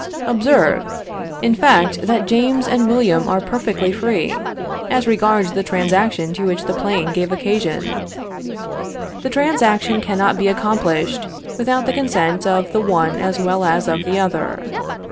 Observe, in fact, that James and William are perfectly free, as regards the transaction to which the plane gave occasion. The transaction cannot be accomplished without the consent of the one as well as of the other.